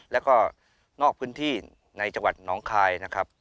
และออกพื้นในจังหวัดนองคลาย